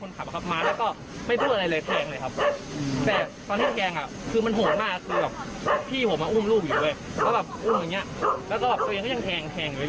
แล้วก็ตัวเองก็ยังแทงเหมือนกัน